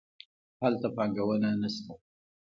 هلته پانګونه نه شته.